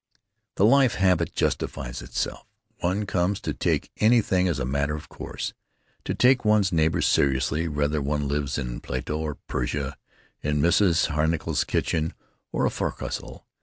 The life habit justifies itself. One comes to take anything as a matter of course; to take one's neighbors seriously, whether one lives in Plato or Persia, in Mrs. Henkel's kitchen or a fo'c's'le.